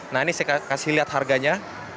nah ini saya kasih lihat harganya